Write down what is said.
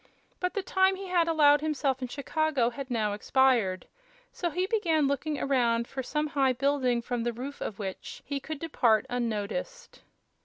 But the time he had allowed himself in Chicago had now expired, so he began looking around for some high building from the roof of which he could depart unnoticed.